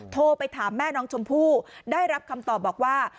โทรไปถามแม่น้องชมพู่ได้รับคำตอบบอกว่า